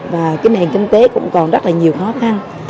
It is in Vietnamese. và cái nền kinh tế cũng còn rất là nhiều khó khăn